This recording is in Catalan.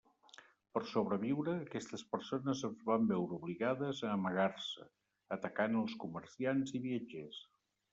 Per sobreviure, aquestes persones es van veure obligades a amagar-se, atacant als comerciants i viatgers.